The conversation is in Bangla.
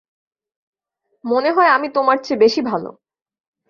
মনে হয় আমি তোমার চেয়ে বেশি ভালো।